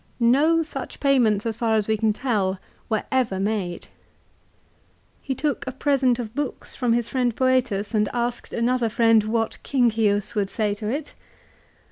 No such payments, as far as we can tell, were ever made. He took a present of books from his friend Foetus, and asked another friend what " Cincius " would say to it